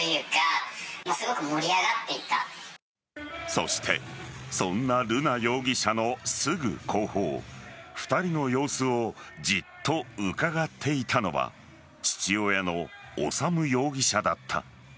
そしてそんな瑠奈容疑者のすぐ後方２人の様子をじっとうかがっていたのは父親の修容疑者だった。